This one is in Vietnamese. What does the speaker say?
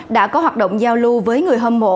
đã có hoạt động giao lưu với người hâm mộ